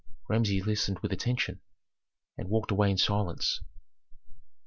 Rameses listened with attention, and walked away in silence.